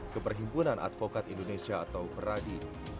ke perhimpunan advokat indonesia atau peradi